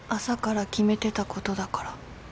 「朝から決めてたことだから」